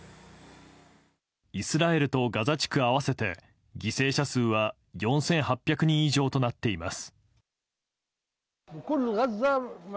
イスラエルとガザ地区合わせて犠牲者数は４８００人以上となっています。